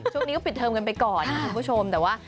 ช่วงนี้ก็ปิดเทิมกันไปก่อนนะครับคุณผู้ชม